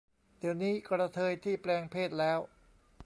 เดี๋ยวนี้กระเทยที่แปลงเพศแล้ว